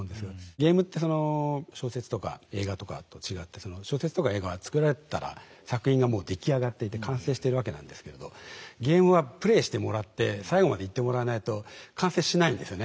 ゲームってその小説とか映画とかと違ってその小説とか映画は作られたら作品がもう出来上がっていて完成してるわけなんですけれどゲームはプレイしてもらって最後までいってもらわないと完成しないんですよね。